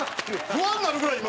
不安になるぐらい今。